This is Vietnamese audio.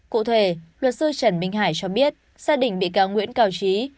cụ thể luật sư trần minh hải cho biết gia đình bị cáo nguyễn cao trí